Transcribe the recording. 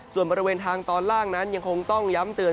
ส่วนบริเวณทางตอนล่างนั้นยังคงต้องย้ำเตือน